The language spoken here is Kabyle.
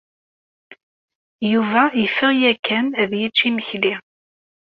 Yuba yeffeɣ ya kan ad d-yečč imekli.